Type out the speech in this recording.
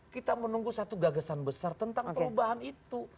kita menunggu satu gagasan besar tentang perubahan itu